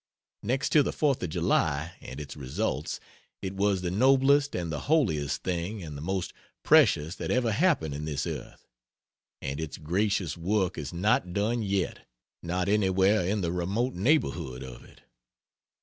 Next to the 4th of July and its results, it was the noblest and the holiest thing and the most precious that ever happened in this earth. And its gracious work is not done yet not anywhere in the remote neighborhood of it.